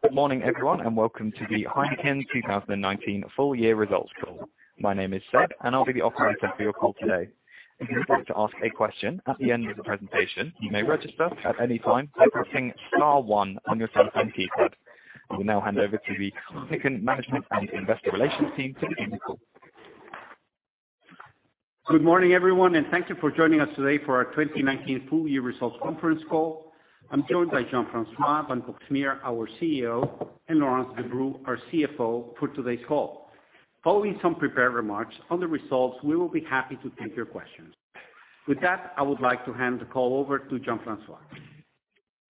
Good morning, everyone, and welcome to the Heineken 2019 full year results call. My name is Seth, and I'll be the Operator for your call today. If you'd like to ask a question at the end of the presentation, you may register at any time by pressing star one on your telephone keypad. I will now hand over to the Heineken Management and Investor Relations team to begin the call. Good morning, everyone, and thank you for joining us today for our 2019 full-year results conference call. I'm joined by Jean-François van Boxmeer, our CEO, and Laurence Debroux, our CFO, for today's call. Following some prepared remarks on the results, we will be happy to take your questions. With that, I would like to hand the call over to Jean-François.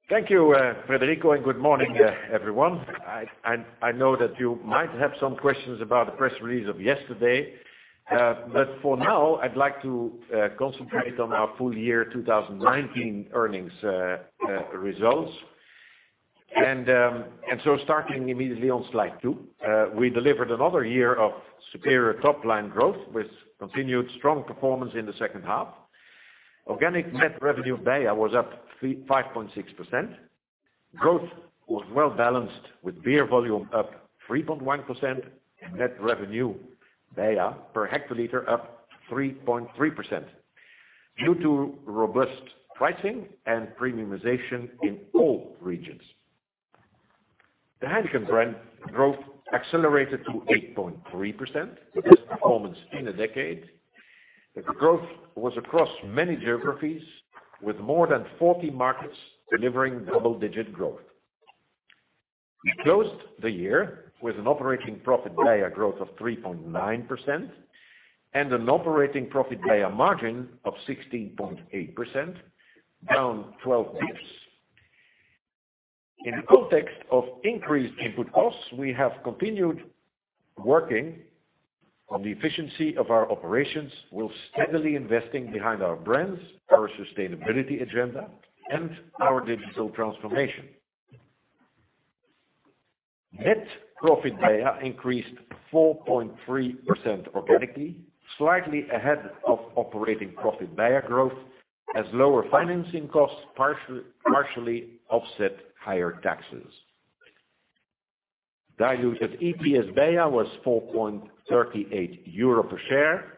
Thank you, Federico, and good morning, everyone. I know that you might have some questions about the press release of yesterday. For now, I'd like to concentrate on our full-year 2019 earnings results. Starting immediately on slide two, we delivered another year of superior top-line growth with continued strong performance in the second half. Organic net revenue beia was up 5.6%. Growth was well-balanced, with beer volume up 3.1% and net revenue beia per hectoliter up 3.3%, due to robust pricing and premiumization in all regions. The Heineken brand growth accelerated to 8.3%, the best performance in a decade. The growth was across many geographies, with more than 40 markets delivering double-digit growth. We closed the year with an operating profit beia growth of 3.9% and an operating profit beia margin of 16.8%, down 12 basis points. In the context of increased input costs, we have continued working on the efficiency of our operations while steadily investing behind our brands, our sustainability agenda, and our digital transformation. Net profit beia increased 4.3% organically, slightly ahead of operating profit beia growth, as lower financing costs partially offset higher taxes. Diluted EPS beia was 4.38 euro per share,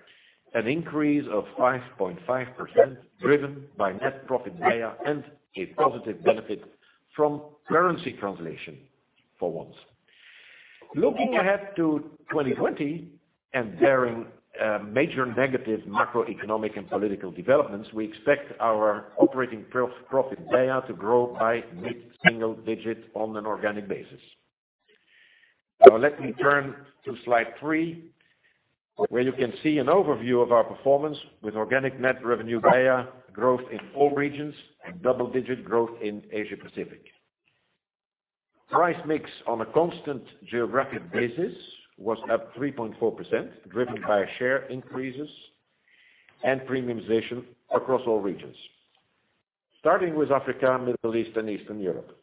an increase of 5.5%, driven by net profit beia and a positive benefit from currency translation for once. Looking ahead to 2020 and barring major negative macroeconomic and political developments, we expect our operating profit beia to grow by mid-single digits on an organic basis. Let me turn to slide three, where you can see an overview of our performance with organic net revenue beia growth in all regions and double-digit growth in Asia Pacific. Price mix on a constant geographic basis was up 3.4%, driven by share increases and premiumization across all regions. Starting with Africa, Middle East, and Eastern Europe.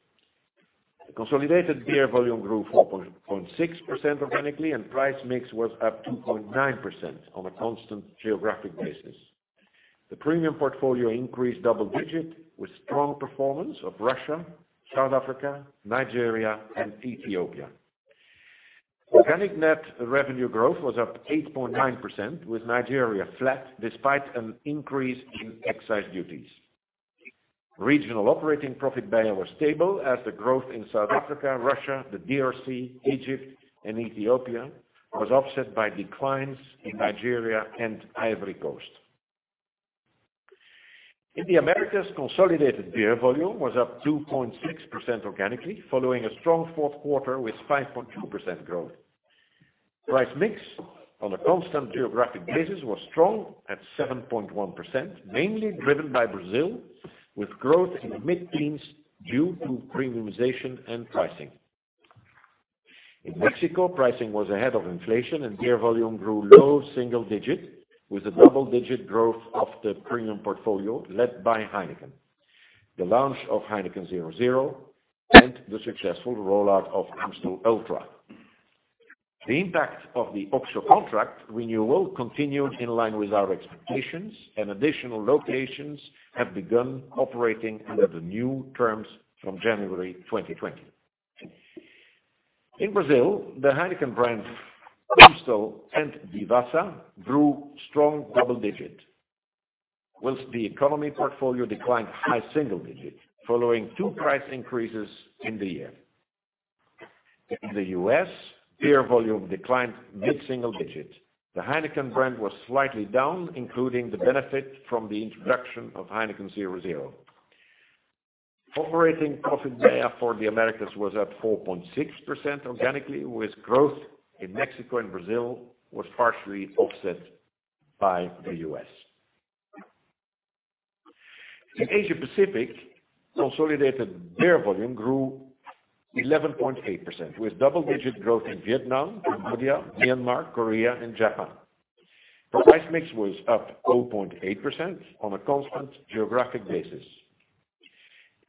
Consolidated beer volume grew 4.6% organically, price mix was up 2.9% on a constant geographic basis. The premium portfolio increased double digits, with strong performance of Russia, South Africa, Nigeria, and Ethiopia. Organic net revenue growth was up 8.9%, with Nigeria flat despite an increase in excise duties. Regional operating profit beia was stable as the growth in South Africa, Russia, the DRC, Egypt, and Ethiopia was offset by declines in Nigeria and Ivory Coast. In the Americas, consolidated beer volume was up 2.6% organically, following a strong fourth quarter with 5.2% growth. Price mix on a constant geographic basis was strong at 7.1%, mainly driven by Brazil, with growth in the mid-teens due to premiumization and pricing. In Mexico, pricing was ahead of inflation, and beer volume grew low single digits, with a double-digit growth of the premium portfolio led by Heineken, the launch of Heineken 0.0 and the successful rollout of Amstel Ultra. The impact of the OXXO contract renewal continued in line with our expectations, and additional locations have begun operating under the new terms from January 2020. In Brazil, the Heineken brands, Amstel, and Devassa grew strong double digits, whilst the economy portfolio declined high single digits following two price increases in the year. In the U.S., beer volume declined mid-single digits. The Heineken brand was slightly down, including the benefit from the introduction of Heineken 0.0. Operating profit beia for the Americas was up 4.6% organically, with growth in Mexico and Brazil was partially offset by the U.S. In the Asia Pacific, consolidated beer volume grew 11.8%, with double-digit growth in Vietnam, Cambodia, Myanmar, Korea, and Japan. Price mix was up 0.8% on a constant geographic basis.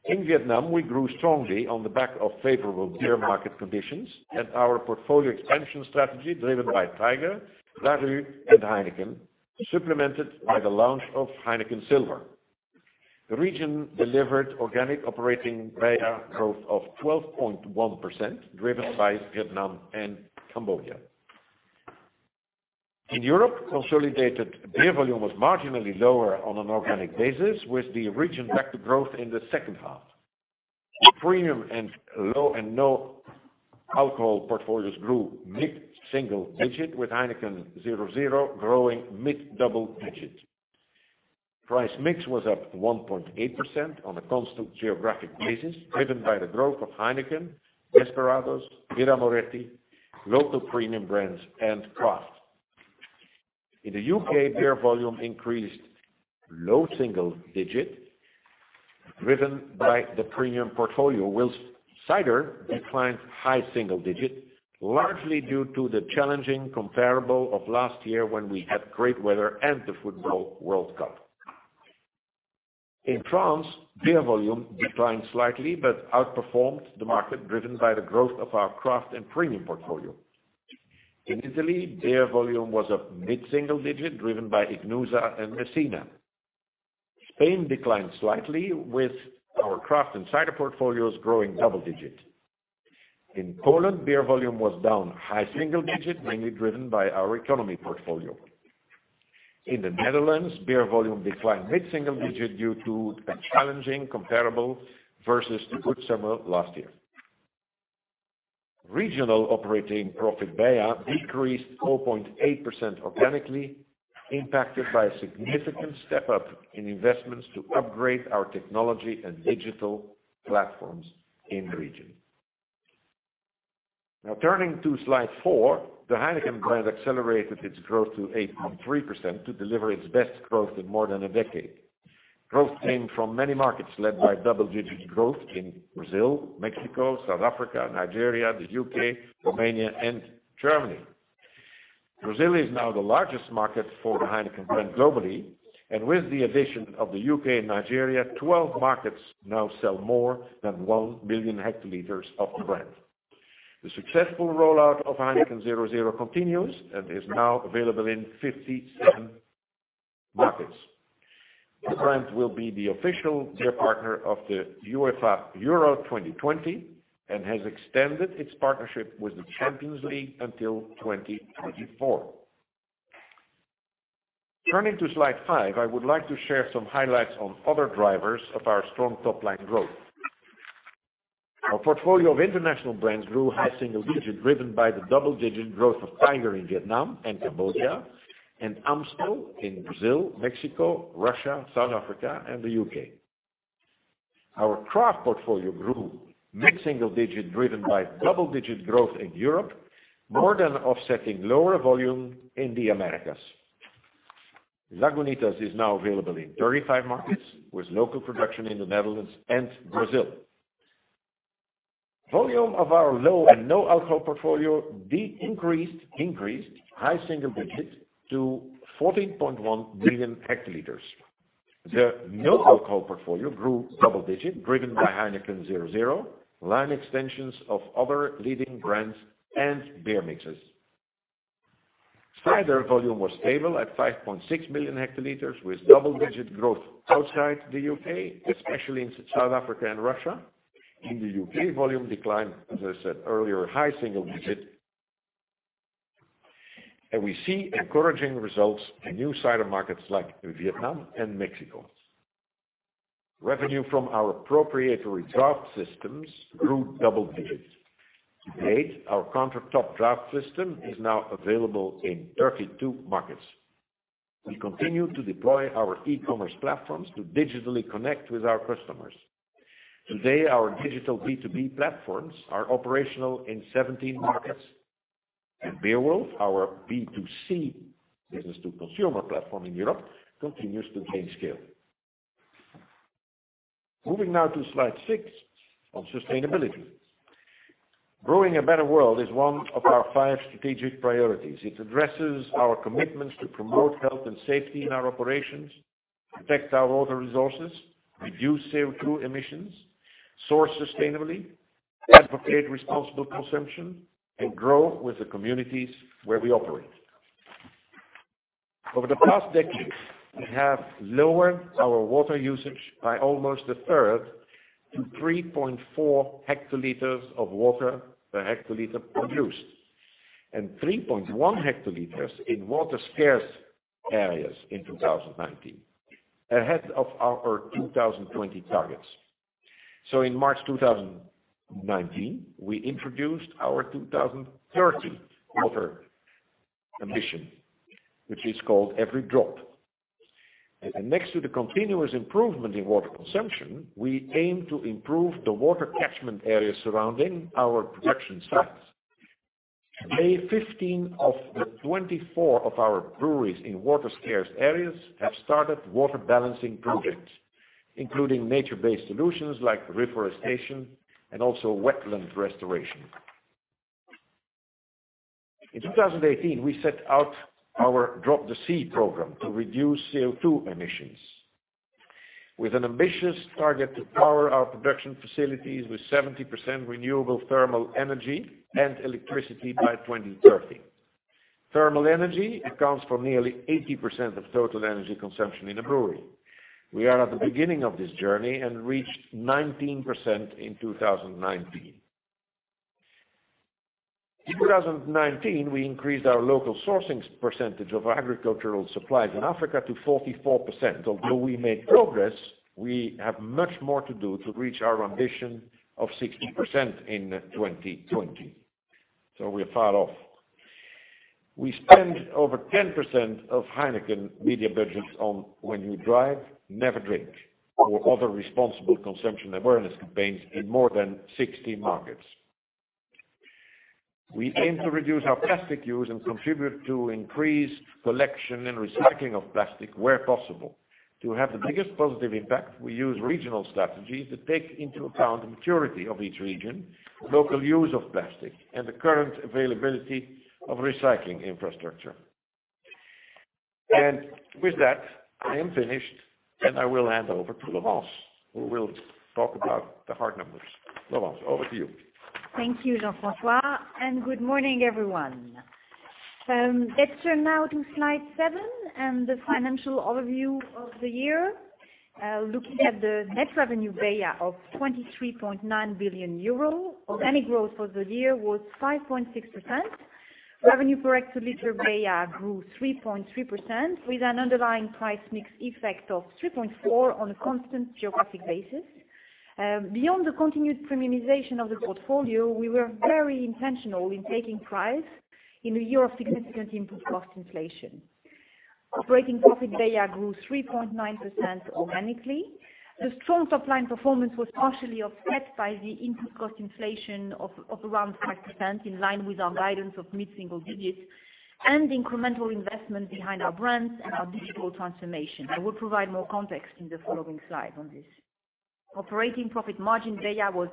In Vietnam, we grew strongly on the back of favorable beer market conditions and our portfolio expansion strategy driven by Tiger, Larue, and Heineken, supplemented by the launch of Heineken Silver. The region delivered organic operating beia growth of 12.1%, driven by Vietnam and Cambodia. In Europe, consolidated beer volume was marginally lower on an organic basis, with the region back to growth in the second half. The premium and low and no alcohol portfolios grew mid-single digit, with Heineken 0.0 growing mid-double digits. Price mix was up 1.8% on a constant geographic basis, driven by the growth of Heineken, Desperados, Birra Moretti, local premium brands, and craft. In the U.K., beer volume increased low single digit, driven by the premium portfolio, while cider declined high single digit, largely due to the challenging comparable of last year when we had great weather and the Football World Cup. In France, beer volume declined slightly but outperformed the market, driven by the growth of our craft and premium portfolio. In Italy, beer volume was up mid-single digit, driven by Ichnusa and Messina. Spain declined slightly, with our craft and cider portfolios growing double digits. In Poland, beer volume was down high single digit, mainly driven by our economy portfolio. In the Netherlands, beer volume declined mid-single digit due to a challenging comparable versus the good summer of last year. Regional operating profit beia decreased 4.8% organically impacted by a significant step up in investments to upgrade our technology and digital platforms in region. Now turning to slide four. The Heineken brand accelerated its growth to 8.3% to deliver its best growth in more than a decade. Growth came from many markets, led by double-digit growth in Brazil, Mexico, South Africa, Nigeria, the U.K., Romania, and Germany. Brazil is now the largest market for the Heineken brand globally, and with the addition of the U.K. and Nigeria, 12 markets now sell more than 1 billion hectoliters of the brand. The successful rollout of Heineken 0.0 continues and is now available in 57 markets. The brand will be the official beer partner of the UEFA Euro 2020 and has extended its partnership with the Champions League until 2024. Turning to slide five, I would like to share some highlights on other drivers of our strong top-line growth. Our portfolio of international brands grew high single-digit, driven by the double-digit growth of Tiger in Vietnam and Cambodia and Amstel in Brazil, Mexico, Russia, South Africa, and the U.K. Our craft portfolio grew mid-single-digit, driven by double-digit growth in Europe, more than offsetting lower volume in the Americas. Lagunitas is now available in 35 markets, with local production in the Netherlands and Brazil. Volume of our low and no alcohol portfolio increased high single-digits to 14.1 million hectoliters. The no alcohol portfolio grew double-digits, driven by Heineken 0.0, line extensions of other leading brands, and beer mixes. Cider volume was stable at 5.6 million hectoliters, with double-digit growth outside the U.K., especially in South Africa and Russia. In the U.K., volume declined, as I said earlier, high single-digit. We see encouraging results in new cider markets like Vietnam and Mexico. Revenue from our proprietary draft systems grew double digits. To date, our countertop draft system is now available in 32 markets. We continue to deploy our e-commerce platforms to digitally connect with our customers. Today, our digital B2B platforms are operational in 17 markets, and Beerwulf, our B2C, business to consumer, platform in Europe, continues to gain scale. Moving now to slide six on sustainability. Brewing a Better World is one of our five strategic priorities. It addresses our commitments to promote health and safety in our operations, protect our water resources, reduce CO2 emissions, source sustainably, advocate responsible consumption, and grow with the communities where we operate. Over the past decade, we have lowered our water usage by almost a third to 3.4 hectolitres of water per hectolitre produced, and 3.1 hectolitres in water-scarce areas in 2019, ahead of our 2020 targets. In March 2019, we introduced our 2030 water ambition, which is called Every Drop. Next to the continuous improvement in water consumption, we aim to improve the water catchment areas surrounding our production sites. To date, 15 of the 24 of our breweries in water-scarce areas have started water balancing projects, including nature-based solutions like reforestation and also wetland restoration. In 2018, we set out our Drop the C program to reduce CO2 emissions. With an ambitious target to power our production facilities with 70% renewable thermal energy and electricity by 2030. Thermal energy accounts for nearly 80% of total energy consumption in a brewery. We are at the beginning of this journey and reached 19% in 2019. In 2019, we increased our local sourcing percentage of agricultural supplies in Africa to 44%. Although we made progress, we have much more to do to reach our ambition of 60% in 2020. We're far off. We spend over 10% of Heineken media budgets on "When You Drive, Never Drink," or other responsible consumption awareness campaigns in more than 60 markets. We aim to reduce our plastic use and contribute to increased collection and recycling of plastic where possible. To have the biggest positive impact, we use regional strategies that take into account the maturity of each region, local use of plastic, and the current availability of recycling infrastructure. With that, I am finished, and I will hand over to Laurence, who will talk about the hard numbers. Laurence, over to you. Thank you, Jean-François. Good morning, everyone. Let's turn now to slide seven and the financial overview of the year. Looking at the net revenue beia of 23.9 billion euro, organic growth for the year was 5.6%. Revenue per hectoliter beia grew 3.3%, with an underlying price mix effect of 3.4% on a constant geographic basis. Beyond the continued premiumization of the portfolio, we were very intentional in taking price in a year of significant input cost inflation. Operating profit beia grew 3.9% organically. The strong top-line performance was partially offset by the input cost inflation of around 5%, in line with our guidance of mid-single digits, and incremental investment behind our brands and our digital transformation. I will provide more context in the following slide on this. Operating profit margin beia was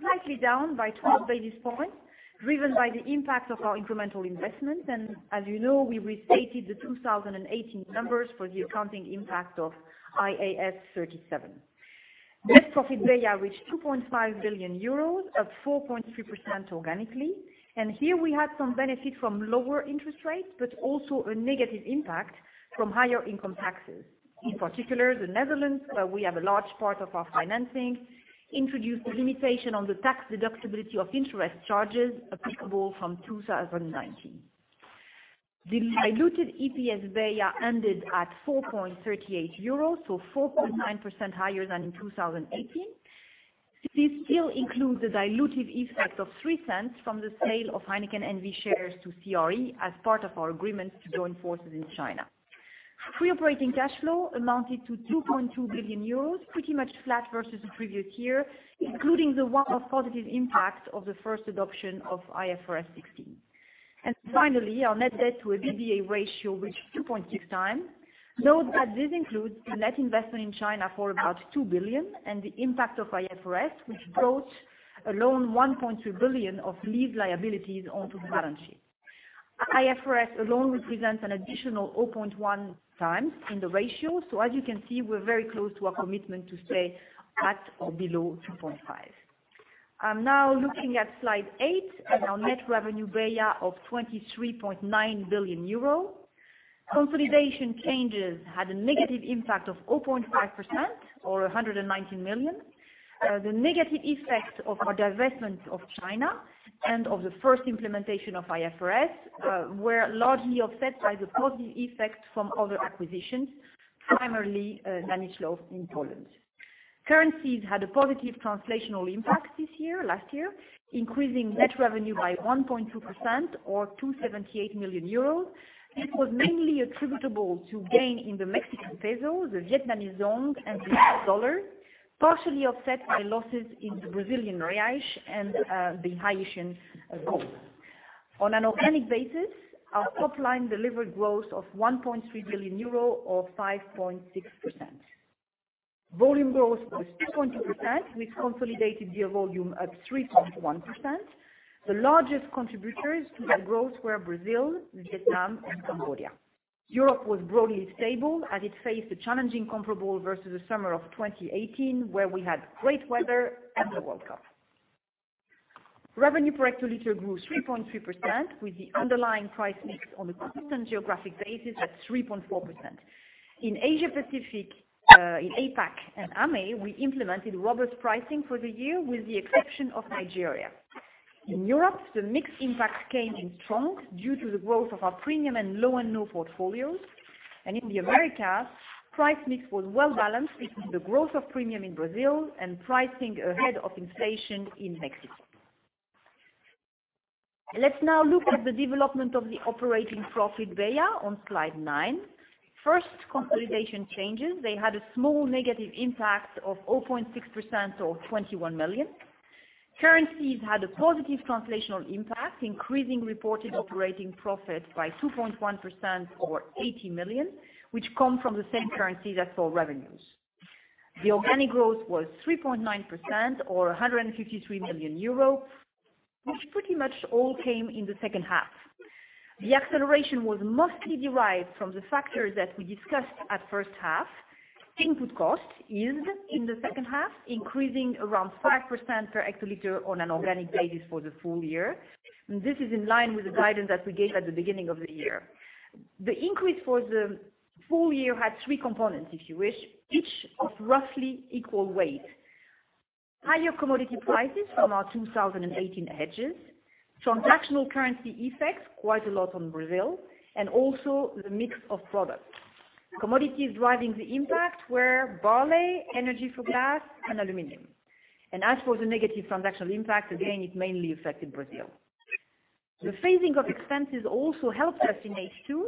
slightly down by 12 basis points, driven by the impact of our incremental investment, and as you know, we restated the 2018 numbers for the accounting impact of IAS 37. Net profit beia reached 2.5 billion euros, up 4.3% organically. Here we had some benefit from lower interest rates, but also a negative impact from higher income taxes. In particular, the Netherlands, where we have a large part of our financing, introduced a limitation on the tax deductibility of interest charges applicable from 2019. The diluted EPS beia ended at 4.38 euros, so 4.9% higher than in 2018. This still includes a dilutive effect of 0.03 from the sale of Heineken N.V. shares to CRE as part of our agreement to join forces in China. Free operating cash flow amounted to 2.2 billion euros, pretty much flat versus the previous year, including the one-off positive impact of the first adoption of IFRS 16. Finally, our net debt-to-EBITDA ratio reached 2.6x. Note that this includes the net investment in China for about 2 billion and the impact of IFRS, which brought alone 1.3 billion of lease liabilities onto the balance sheet. IFRS alone represents an additional 0.1x in the ratio. As you can see, we're very close to our commitment to stay at or below 2.5x. Looking at slide eight and our net revenue beia of 23.9 billion euro. Consolidation changes had a negative impact of 0.5% or 119 million. The negative effect of our divestment of China and of the first implementation of IFRS were largely offset by the positive effect from other acquisitions, primarily Danisco in Poland. Currencies had a positive translational impact last year, increasing net revenue by 1.2% or 278 million euros. This was mainly attributable to gain in the Mexican peso, the Vietnamese đồng, and the U.S. dollar, partially offset by losses in the Brazilian real and the Haitian gourde. On an organic basis, our top line delivered growth of 1.3 billion euro or 5.6%. Volume growth was 2.2%, with consolidated year volume up 3.1%. The largest contributors to that growth were Brazil, Vietnam, and Cambodia. Europe was broadly stable as it faced a challenging comparable versus the summer of 2018, where we had great weather and the World Cup. Revenue per hectolitre grew 3.3%, with the underlying price mix on a constant geographic basis at 3.4%. In Asia Pacific, in APAC and AMEE, we implemented robust pricing for the year with the exception of Nigeria. In Europe, the mix impact came in strong due to the growth of our premium and low and no portfolios. In the Americas, price mix was well-balanced between the growth of premium in Brazil and pricing ahead of inflation in Mexico. Let's now look at the development of the operating profit beia on slide nine. First, consolidation changes, they had a small negative impact of 0.6% or 21 million. Currencies had a positive translational impact, increasing reported operating profit by 2.1% or 80 million, which come from the same currency that saw revenues. The organic growth was 3.9% or 153 million euro, which pretty much all came in the second half. The acceleration was mostly derived from the factors that we discussed at first half. Input cost is in the second half, increasing around 5% per hectoliter on an organic basis for the full year. This is in line with the guidance that we gave at the beginning of the year. The increase for the full year had three components, if you wish, each of roughly equal weight. Higher commodity prices from our 2018 hedges, transactional currency effects, quite a lot on Brazil, and also the mix of products. Commodities driving the impact were barley, energy for gas, and aluminum. As for the negative transactional impact, again, it mainly affected Brazil. The phasing of expenses also helped us in H2,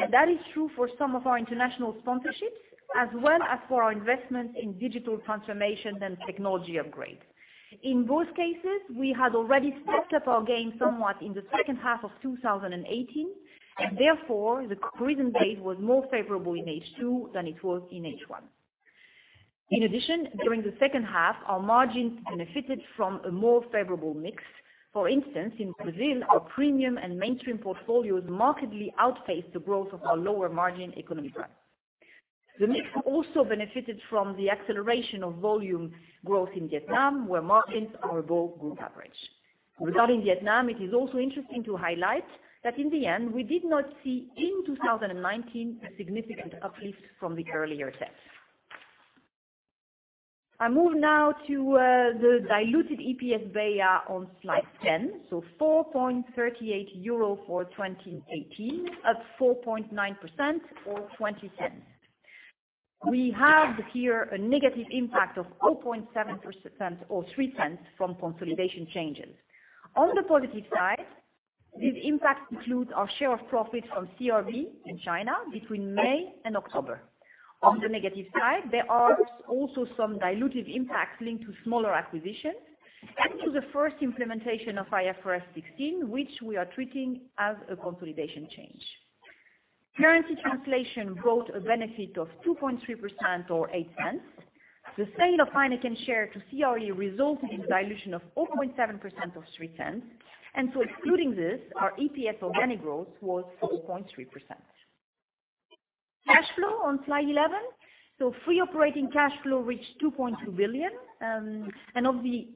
and that is true for some of our international sponsorships, as well as for our investments in digital transformation and technology upgrades. In both cases, we had already stepped up our game somewhat in the second half of 2018, and therefore the comparison base was more favorable in H2 than it was in H1. In addition, during the second half, our margins benefited from a more favorable mix. For instance, in Brazil, our premium and mainstream portfolios markedly outpaced the growth of our lower margin economy brand. The mix also benefited from the acceleration of volume growth in Vietnam, where margins are above group average. Regarding Vietnam, it is also interesting to highlight that in the end, we did not see in 2019 a significant uplift from the earlier test. I move now to the diluted EPS beia on slide 10, 4.38 euro for 2018, up 4.9% or 0.04. We have here a negative impact of 0.7% or 0.03 from consolidation changes. On the positive side, this impact includes our share of profit from CRB in China between May and October. On the negative side, there are also some dilutive impacts linked to smaller acquisitions and to the first implementation of IFRS 16, which we are treating as a consolidation change. Currency translation brought a benefit of 2.3% or 0.08. The sale of Heineken share to CRE resulted in dilution of 0.7% or EUR 0.03. Excluding this, our EPS organic growth was 4.3%. Cash flow on slide 11. Free operating cash flow reached 2.2 billion. Of the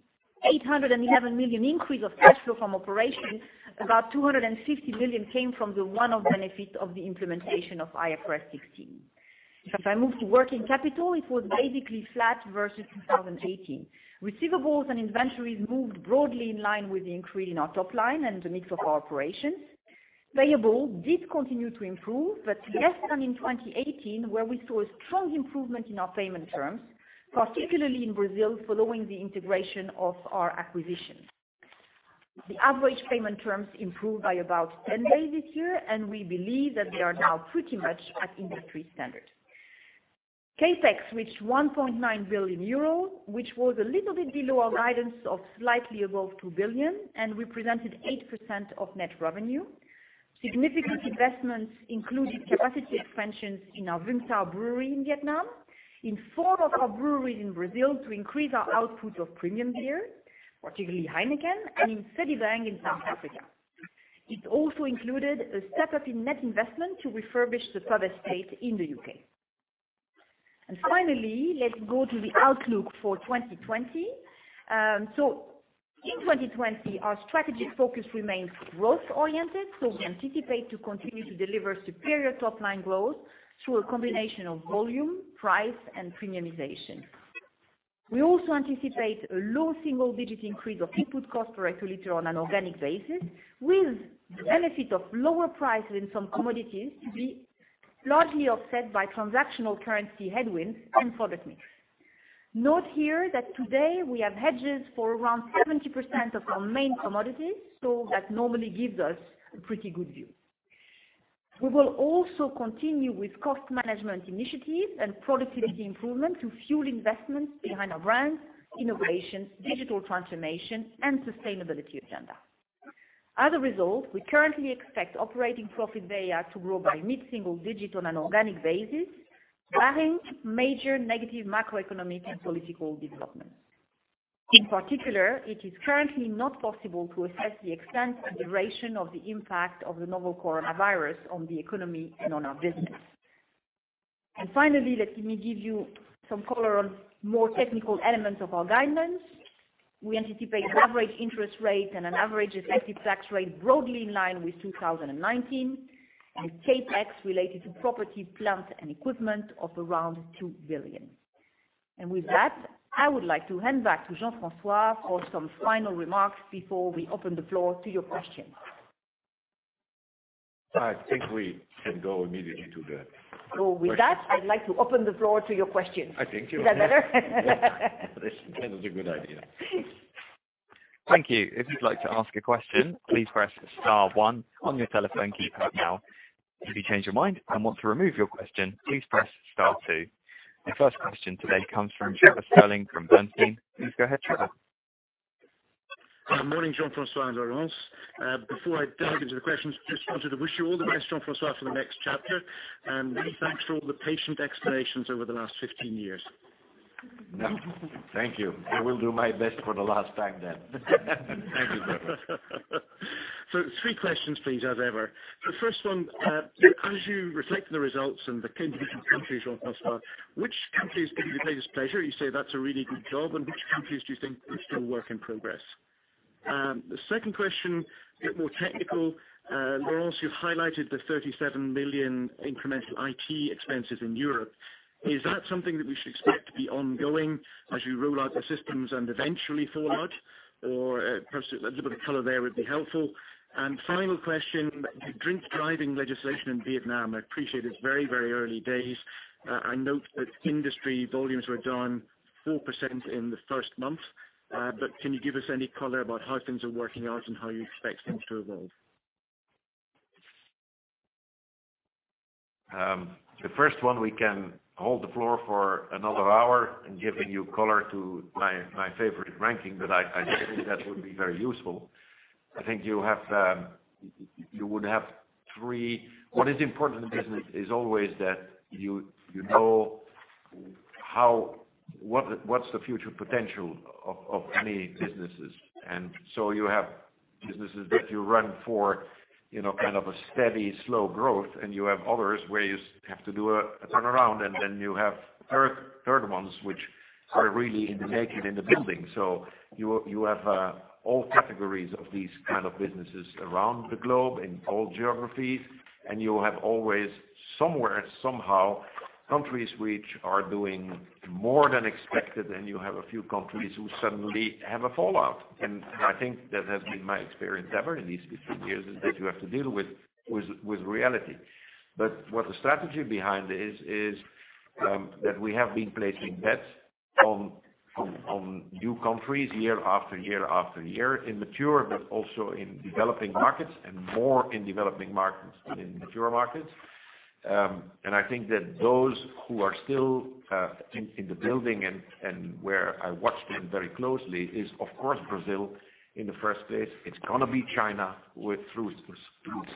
811 million increase of cash flow from operations, about 250 million came from the one-off benefit of the implementation of IFRS 16. If I move to working capital, it was basically flat versus 2018. Receivables and inventories moved broadly in line with the increase in our top line and the mix of our operations. Payables did continue to improve, but less than in 2018, where we saw a strong improvement in our payment terms, particularly in Brazil following the integration of our acquisitions. The average payment terms improved by about 10 days this year, and we believe that they are now pretty much at industry standard. CapEx reached 1.9 billion euros, which was a little bit below our guidance of slightly above 2 billion and represented 8% of net revenue. Significant investments included capacity expansions in our Vung Tau brewery in Vietnam, in four of our breweries in Brazil to increase our output of premium beer, particularly Heineken, and in Sedibeng in South Africa. It also included a step-up in net investment to refurbish the pub estate in the U.K. Finally, let's go to the outlook for 2020. In 2020, our strategic focus remains growth-oriented, we anticipate to continue to deliver superior top-line growth through a combination of volume, price, and premiumization. We also anticipate a low single-digit increase of input cost per hectoliter on an organic basis, with the benefit of lower prices in some commodities to be largely offset by transactional currency headwinds and product mix. Note here that today we have hedges for around 70% of our main commodities, that normally gives us a pretty good view. We will also continue with cost management initiatives and productivity improvement to fuel investments behind our brands, innovations, digital transformation, and sustainability agenda. As a result, we currently expect operating profit beia to grow by mid-single digit on an organic basis, barring major negative macroeconomic and political developments. In particular, it is currently not possible to assess the extent and duration of the impact of the novel coronavirus on the economy and on our business. Finally, let me give you some color on more technical elements of our guidance. We anticipate average interest rate and an average effective tax rate broadly in line with 2019, and CapEx related to property, plant, and equipment of around 2 billion. With that, I would like to hand back to Jean-François for some final remarks before we open the floor to your questions. I think we can go immediately to the questions. With that, I'd like to open the floor to your questions. I think you have. Is that better? Yeah. That is a good idea. Thank you. If you'd like to ask a question, please press star one on your telephone keypad now. If you change your mind and want to remove your question, please press star two. The first question today comes from Trevor Stirling from Bernstein. Please go ahead, Trevor. Good morning, Jean-François and Laurence. Before I dive into the questions, just wanted to wish you all the best, Jean-François, for the next chapter. Many thanks for all the patient explanations over the last 15 years. No. Thank you. I will do my best for the last time then. Thank you, Trevor. Three questions, please, as ever. The first one, as you reflect on the results and the contribution of countries so far, which countries give you the greatest pleasure? You say that's a really good job, and which countries do you think are still work in progress? The second question, a bit more technical. Laurence, you've highlighted the 37 million incremental IT expenses in Europe. Is that something that we should expect to be ongoing as you roll out the systems and eventually fall out? Or perhaps a little bit of color there would be helpful. Final question, the drink-driving legislation in Vietnam. I appreciate it's very early days. I note that industry volumes were down 4% in the first month. Can you give us any color about how things are working out and how you expect things to evolve? The first one, we can hold the floor for another hour in giving you color to my favorite ranking, but I don't think that would be very useful. I think you would have three. What is important in business is always that you know what's the future potential of any businesses. You have businesses that you run for kind of a steady, slow growth, and you have others where you have to do a turnaround, and then you have third ones, which are really in the making, in the building. You have all categories of these kind of businesses around the globe, in all geographies, and you have always, somewhere, somehow, countries which are doing more than expected, and you have a few countries who suddenly have a fallout. I think that has been my experience ever in these 50 years, is that you have to deal with reality. What the strategy behind it is that we have been placing bets on new countries year after year after year, in mature but also in developing markets, and more in developing markets than in mature markets. I think that those who are still in the building and where I watch them very closely is, of course, Brazil in the first place. It's going to be China through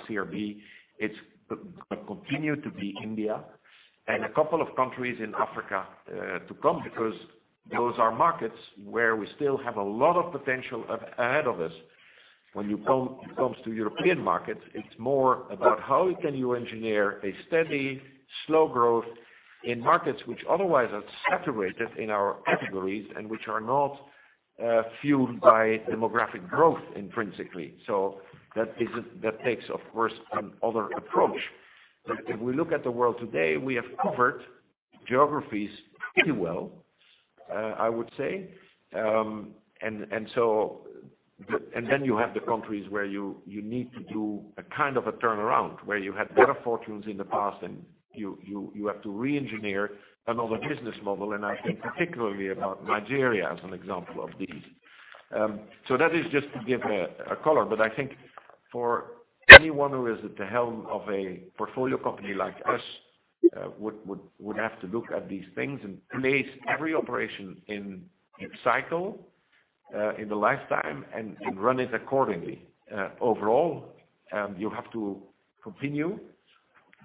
CRB. It's going to continue to be India, and a couple of countries in Africa to come because those are markets where we still have a lot of potential ahead of us. When it comes to European markets, it's more about how can you engineer a steady, slow growth in markets which otherwise are saturated in our categories and which are not fueled by demographic growth intrinsically. That takes, of course, another approach. If we look at the world today, we have covered geographies pretty well, I would say. You have the countries where you need to do a kind of a turnaround, where you had better fortunes in the past and you have to re-engineer another business model, and I think particularly about Nigeria as an example of these. That is just to give a color, but I think for anyone who is at the helm of a portfolio company like us would have to look at these things and place every operation in cycle in the lifetime and run it accordingly. Overall, you have to continue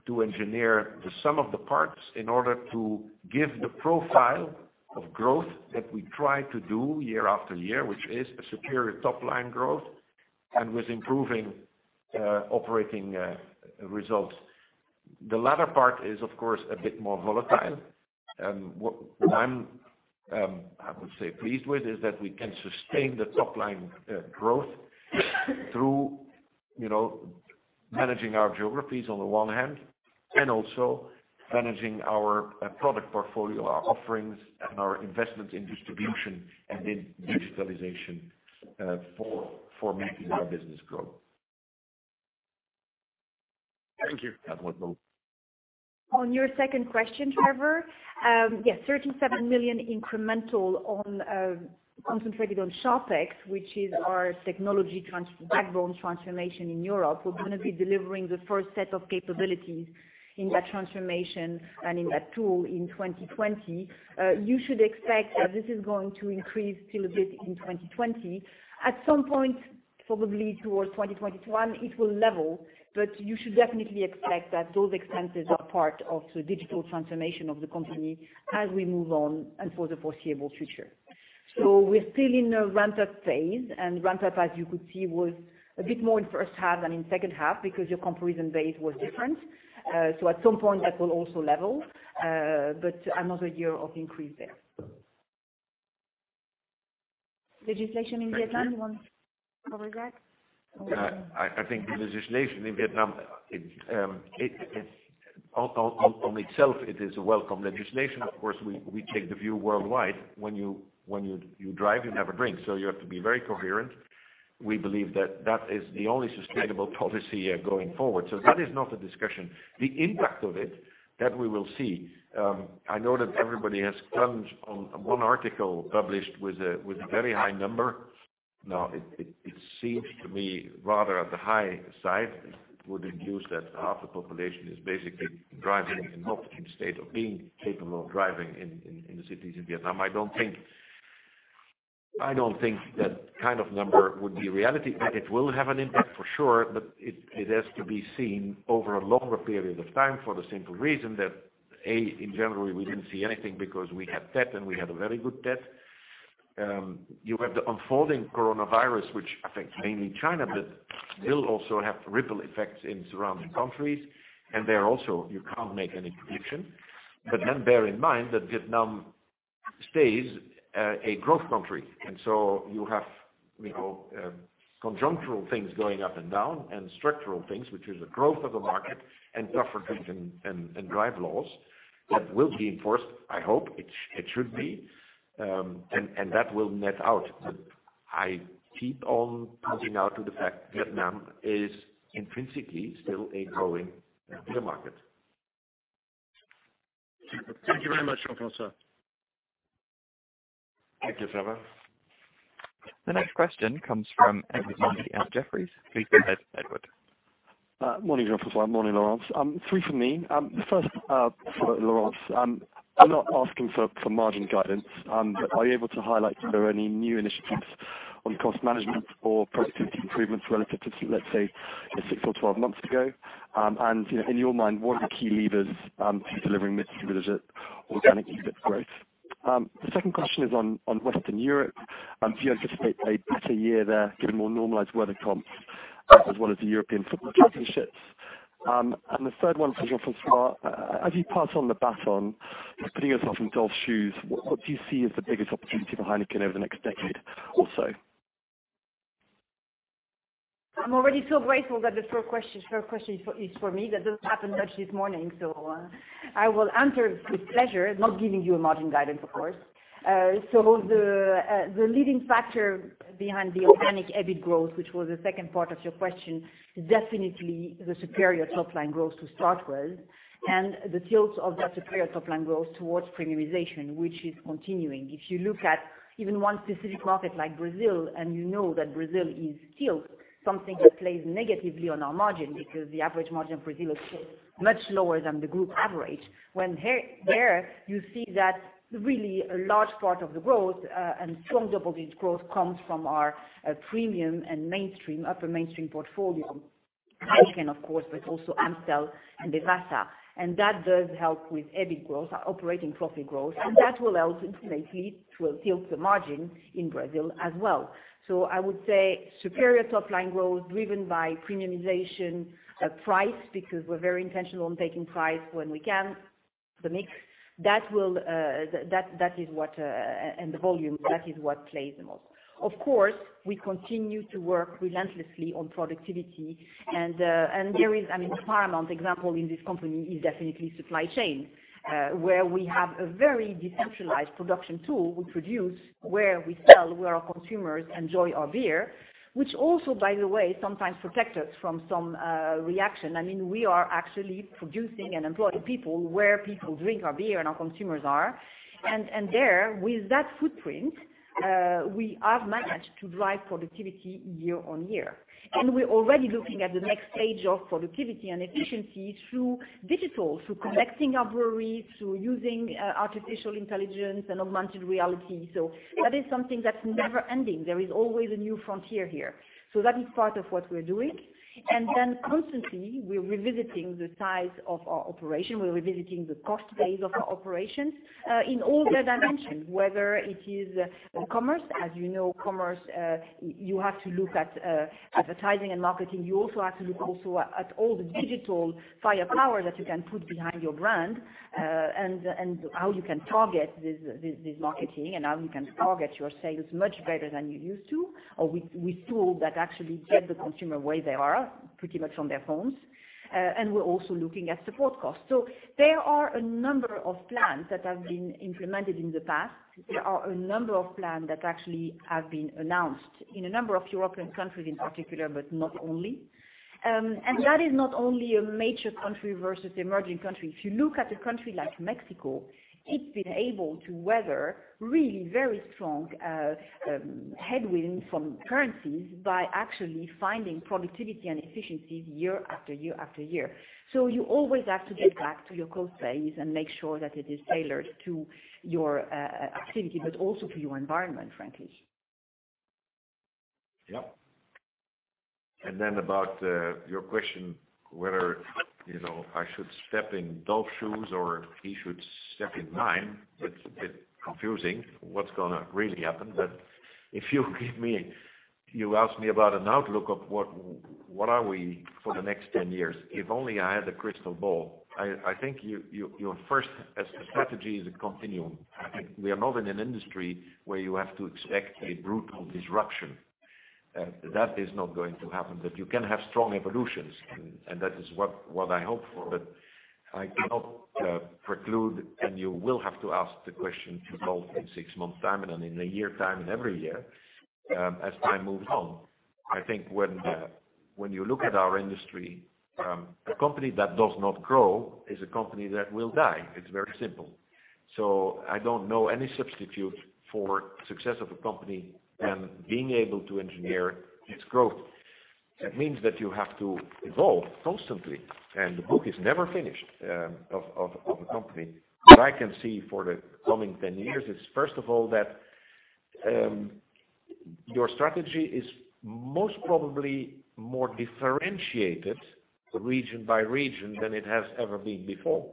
to engineer the sum of the parts in order to give the profile of growth that we try to do year after year, which is a superior top-line growth and with improving operating results. The latter part is, of course, a bit more volatile. What I would say pleased with is that we can sustain the top-line growth through managing our geographies on the one hand, and also managing our product portfolio, our offerings, and our investment in distribution and in digitalization for making our business grow. Thank you. You're welcome. On your second question, Trevor, yes, 37 million incremental concentrated on ShopeX, which is our technology backbone transformation in Europe. We're going to be delivering the first set of capabilities in that transformation and in that tool in 2020. You should expect that this is going to increase still a bit in 2020. At some point, probably towards 2021, it will level, but you should definitely expect that those expenses are part of the digital transformation of the company as we move on and for the foreseeable future. We're still in a ramp-up phase, and ramp-up, as you could see, was a bit more in the first half than in the second half because your comparison base was different. At some point, that will also level, but another year of increase there. Legislation in Vietnam, you want to cover that? I think the legislation in Vietnam, on itself, it is a welcome legislation. Of course, we take the view worldwide, When You Drive, Never Drink, you have to be very coherent. We believe that that is the only sustainable policy going forward. That is not a discussion. The impact of it, that we will see. I know that everybody has clung on one article published with a very high number. It seems to me rather at the high side. It would induce that half the population is basically driving in an optimum state of being capable of driving in the cities in Vietnam. I don't think that kind of number would be reality, but it will have an impact for sure, but it has to be seen over a longer period of time for the simple reason that, A, in January we didn't see anything because we had Tết and we had a very good Tết. You have the unfolding coronavirus, which affects mainly China, but will also have ripple effects in surrounding countries. There also, you can't make any prediction. Bear in mind that Vietnam stays a growth country. You have conjunctural things going up and down and structural things, which is the growth of the market and tougher drink and drive laws that will be enforced, I hope. It should be. That will net out. I keep on pointing out to the fact Vietnam is intrinsically still a growing beer market. Thank you very much, Jean-François. Thank you, Trevor. The next question comes from Edward Mundy at Jefferies. Please go ahead, Edward. Morning, Jean-François. Morning, Laurence. Three from me. The first, for Laurence. I'm not asking for margin guidance, but are you able to highlight if there are any new initiatives on cost management or productivity improvements relative to, let's say, six or 12 months ago? In your mind, what are the key levers to delivering mid-single-digit organic EBIT growth? The second question is on Western Europe. Do you anticipate a better year there, given more normalized weather comps as well as the European football championships? The third one for Jean-François, as you pass on the baton, putting yourself in Dolf's shoes, what do you see as the biggest opportunity for Heineken over the next decade or so? I'm already so grateful that the first question is for me. That doesn't happen much this morning. I will answer with pleasure, not giving you a margin guidance, of course. The leading factor behind the organic EBIT growth, which was the second part of your question, definitely the superior top line growth to start with, and the tilt of that superior top line growth towards premiumization, which is continuing. If you look at even one specific market like Brazil, and you know that Brazil is still something that plays negatively on our margin because the average margin in Brazil is still much lower than the group average. When there, you see that really a large part of the growth, and strong double-digit growth, comes from our premium and mainstream, upper mainstream portfolio. Heineken, of course, but also Amstel and Devassa. That does help with EBIT growth, our operating profit growth, and that will also ultimately tilt the margin in Brazil as well. I would say superior top-line growth driven by premiumization price, because we're very intentional on taking price when we can, the mix, and the volume. That is what plays the most. Of course, we continue to work relentlessly on productivity and there is a paramount example in this company is definitely supply chain, where we have a very decentralized production tool. We produce where we sell, where our consumers enjoy our beer, which also, by the way, sometimes protects us from some reaction. We are actually producing and employing people where people drink our beer and our consumers are. There, with that footprint, we have managed to drive productivity year on year. We're already looking at the next stage of productivity and efficiency through digital, through connecting our breweries, through using artificial intelligence and augmented reality. That's something that's never ending. There is always a new frontier here. That is part of what we're doing. Constantly, we're revisiting the size of our operation. We're revisiting the cost base of our operations, in all their dimensions, whether it is commerce. As you know, commerce, you have to look at advertising and marketing. You also have to look at all the digital firepower that you can put behind your brand, and how you can target this marketing, and how you can target your sales much better than you used to, or with tools that actually get the consumer where they are, pretty much on their phones. We're also looking at support costs. There are a number of plans that have been implemented in the past. There are a number of plans that actually have been announced in a number of European countries in particular, but not only. That is not only a major country versus emerging country. If you look at a country like Mexico, it's been able to weather really very strong headwinds from currencies by actually finding productivity and efficiencies year after year after year. You always have to get back to your cost base and make sure that it is tailored to your activity, but also to your environment, frankly. Yeah. About your question, whether I should step in Dolf's shoes or he should step in mine. It's a bit confusing what's going to really happen. If you ask me about an outlook of what are we for the next 10 years. If only I had a crystal ball. I think your first strategy is a continuum. We are not in an industry where you have to expect a brutal disruption. That is not going to happen, but you can have strong evolutions, and that is what I hope for. I cannot preclude, and you will have to ask the question to Dolf in six months' time and in a year's time and every year, as time moves on. I think when you look at our industry, a company that does not grow is a company that will die. It's very simple. I don't know any substitute for success of a company than being able to engineer its growth. That means that you have to evolve constantly, and the book is never finished of a company. What I can see for the coming 10 years is, first of all, that your strategy is most probably more differentiated region by region than it has ever been before.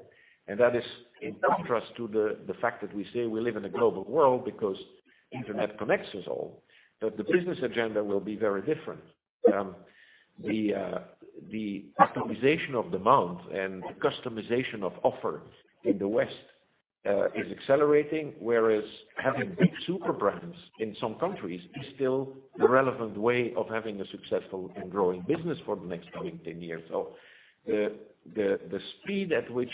That is in contrast to the fact that we say we live in a global world because internet connects us all, but the business agenda will be very different. The optimization of demand and customization of offers in the West is accelerating, whereas having big super brands in some countries is still the relevant way of having a successful and growing business for the next coming 10 years. The speed at which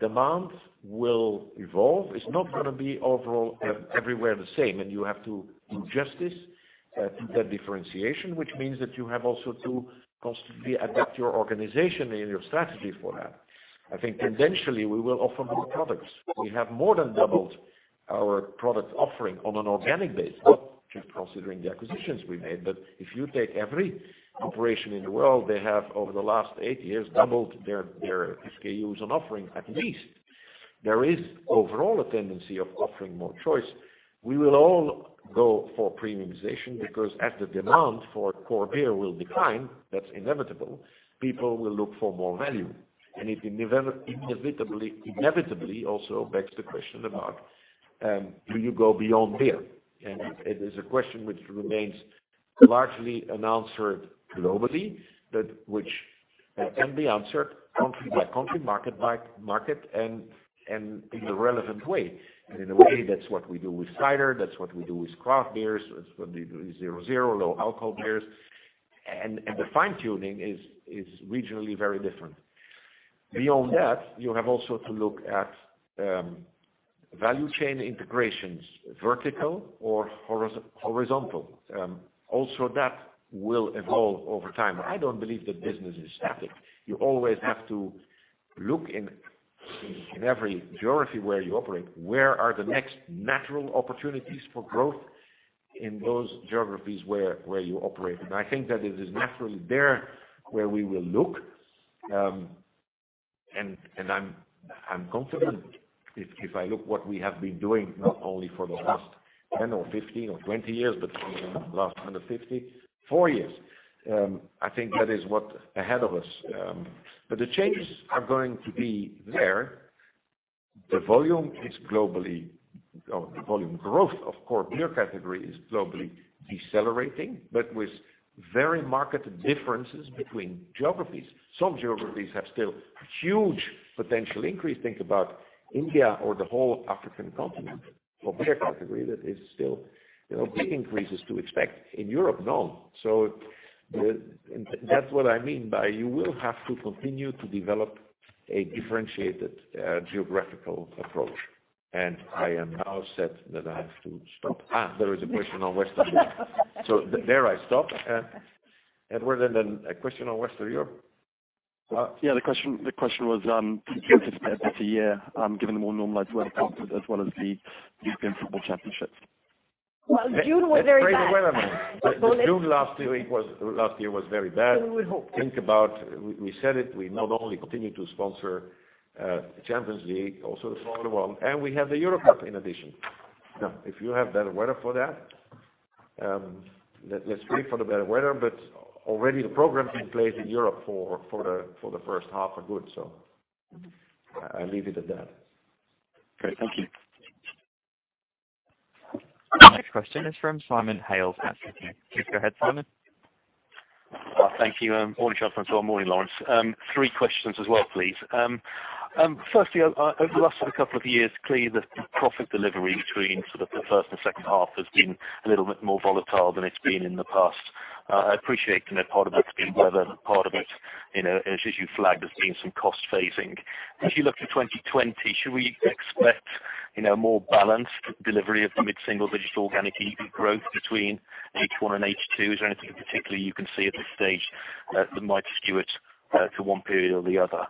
demand will evolve is not going to be overall everywhere the same. You have to adjust this to that differentiation, which means that you have also to constantly adapt your organization and your strategy for that. I think tendentially, we will offer more products. We have more than doubled our product offering on an organic base, not just considering the acquisitions we made, but if you take every operation in the world, they have, over the last eight years, doubled their SKUs on offering at least. There is overall a tendency of offering more choice. We will all go for premiumization because as the demand for core beer will decline, that's inevitable, people will look for more value. It inevitably also begs the question about, do you go beyond beer? It is a question which remains largely unanswered globally, but which can be answered country by country, market by market, and in a relevant way. In a way, that's what we do with cider, that's what we do with craft beers, that's what we do with 0.0, low alcohol beers. The fine-tuning is regionally very different. Beyond that, you have also to look at value chain integrations, vertical or horizontal. That will evolve over time. I don't believe that business is static. You always have to look in every geography where you operate, where are the next natural opportunities for growth in those geographies where you operate? I think that it is naturally there where we will look. I'm confident if I look what we have been doing not only for the last 10 or 15 or 20 years, but even the last 154 years. I think that is what ahead of us. The changes are going to be there. The volume growth of core beer category is globally decelerating, but with very marked differences between geographies. Some geographies have still huge potential increase. Think about India or the whole African continent. For beer category, that is still big increases to expect. In Europe, none. That's what I mean by you will have to continue to develop a differentiated geographical approach. I am now set that I have to stop. There is a question on Western Europe. There I stop. Edward, then a question on Western Europe? Yeah, the question was, do you anticipate a better year, given the more normalized weather patterns as well as the European football championships? Well, June was very bad. Let's pray the weather then. June last year was very bad. We hope. Think about, we said it, we not only continue to sponsor the Champions League, also the football world, and we have the Europa League in addition. Now, if you have better weather for that, let's pray for the better weather, but already the programs in place in Europe for the first half are good. I leave it at that. Great. Thank you. The next question is from Simon Hales at Citi. Please go ahead, Simon. Thank you. Morning, Jean-François, morning, Laurence. Three questions as well, please. Firstly, over the last couple of years, clearly the profit delivery between sort of the first and second half has been a little bit more volatile than it's been in the past. I appreciate, part of it's been weather, part of it as you flagged, has been some cost phasing. As you look to 2020, should we expect more balanced delivery of the mid-single-digit organic growth between H1 and H2? Is there anything in particular you can see at this stage that might skew it to one period or the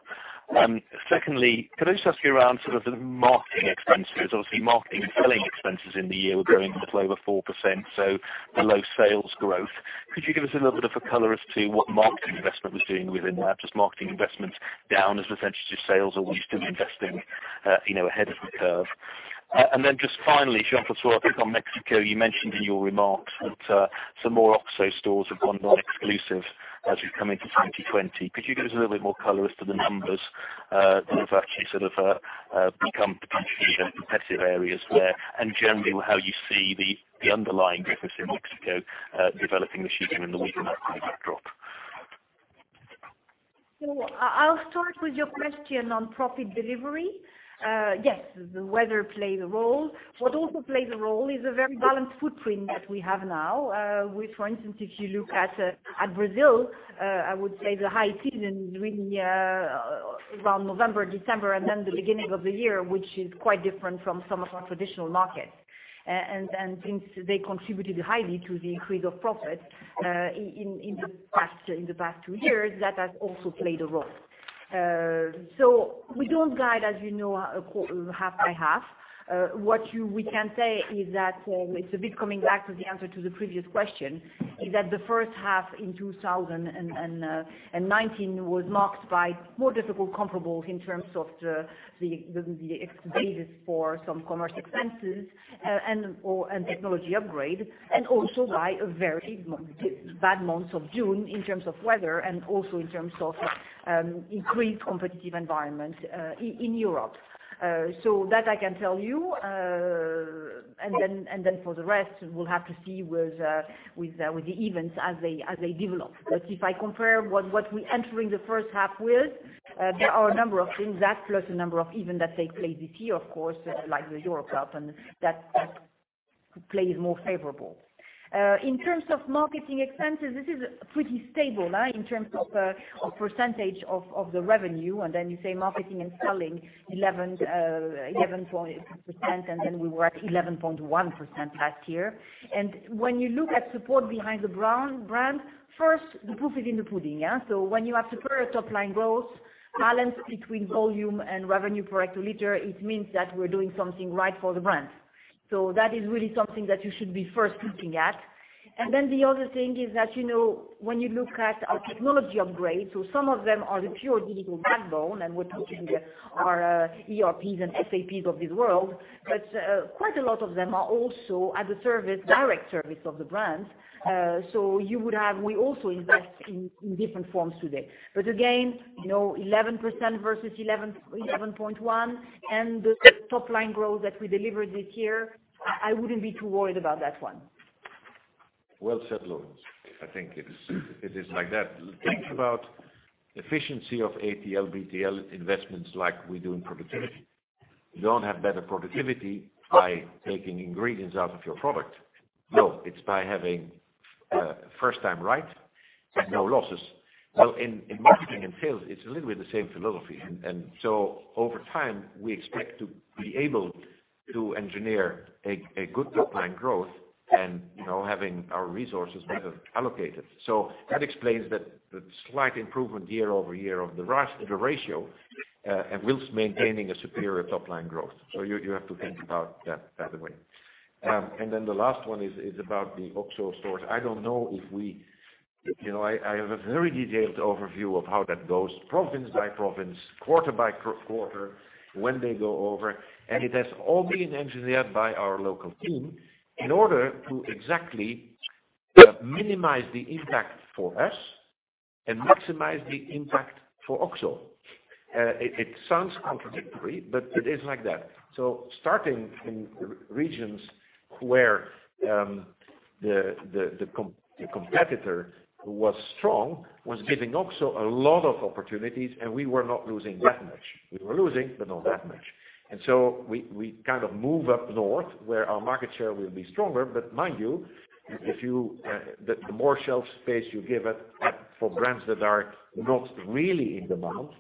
other? Secondly, can I just ask you around sort of the marketing expenses? Obviously, marketing and selling expenses in the year were growing a little over 4%, so below sales growth. Could you give us a little bit of a color as to what marketing investment was doing within that? Just marketing investments down as a percentage of sales, or were you still investing ahead of the curve? Just finally, Jean-François, I think on Mexico, you mentioned in your remarks that some more OXXO stores have gone non-exclusive as you come into 2020. Could you give us a little bit more color as to the numbers that have actually sort of become potentially competitive areas there? Generally, how you see the underlying business in Mexico developing this year given the weak macro backdrop. I'll start with your question on profit delivery. Yes, the weather played a role. What also plays a role is a very balanced footprint that we have now. For instance, if you look at Brazil, I would say the high season is really around November, December, and then the beginning of the year, which is quite different from some of our traditional markets. Since they contributed highly to the increase of profit in the past two years, that has also played a role. We don't guide, as you know, half by half. What we can say is that, it's a bit coming back to the answer to the previous question, is that the first half in 2019 was marked by more difficult comparables in terms of the basis for some commercial expenses and technology upgrade, and also by a very bad month of June in terms of weather and also in terms of increased competitive environment in Europe. That I can tell you, for the rest, we'll have to see with the events as they develop. If I compare what we enter in the first half with, there are a number of things that, plus a number of event that take place this year, of course, like the Euro Cup and that plays more favorable. In terms of marketing expenses, this is pretty stable in terms of percentage of the revenue. You say marketing and selling 11% and then we were at 11.1% last year. When you look at support behind the brand, first, the proof is in the pudding. When you have superior top-line growth balanced between volume and revenue per hectoliter, it means that we're doing something right for the brand. That is really something that you should be first looking at. The other thing is that, when you look at our technology upgrades, so some of them are the pure digital backbone, and we're talking our ERPs and SAPs of this world. Quite a lot of them are also at the direct service of the brand. We also invest in different forms today. Again, 11% versus 11.1% and the top line growth that we delivered this year, I wouldn't be too worried about that one. Well said, Laurence. I think it is like that. Think about efficiency of ATL, BTL investments like we do in productivity. You don't have better productivity by taking ingredients out of your product. It's by having first time right and no losses. In marketing and sales, it's a little bit the same philosophy. Over time, we expect to be able to engineer a good top-line growth and having our resources better allocated. That explains the slight improvement year-over-year of the ratio, and whilst maintaining a superior top-line growth. You have to think about that, by the way. The last one is about the OXXO stores. I have a very detailed overview of how that goes, province by province, quarter by quarter, when they go over, and it has all been engineered by our local team in order to exactly minimize the impact for us and maximize the impact for OXXO. It sounds contradictory, but it is like that. Starting in regions where the competitor was strong, was giving OXXO a lot of opportunities, and we were not losing that much. We were losing, but not that much. We kind of move up north, where our market share will be stronger. Mind you, the more shelf space you give up for brands that are not really in demand,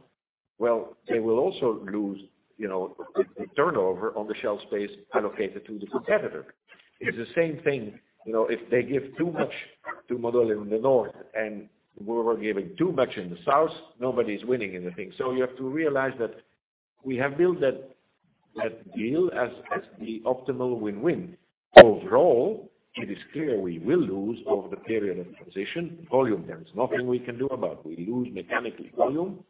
well, they will also lose the turnover on the shelf space allocated to the competitor. It's the same thing, if they give too much to Modelo in the north, and we were giving too much in the south, nobody's winning anything. You have to realize that we have built that deal as the optimal win-win. Overall, it is clear we will lose over the period of transition, volume. There is nothing we can do about. We lose mechanically volume,